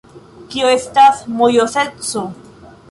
Kio estas mojoseco?